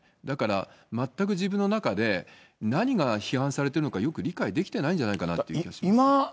だから全く自分の中で、何が批判されているのかよく理解できてないんじゃないかと思います。